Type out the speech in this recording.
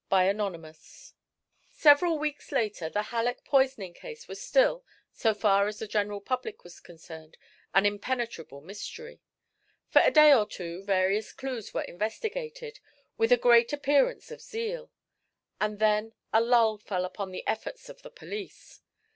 Chapter XXX Several weeks later the Halleck poisoning case was still, so far as the general public was concerned, an impenetrable mystery. For a day or two various clues were investigated, with a great appearance of zeal; and then a lull fell upon the efforts of the police.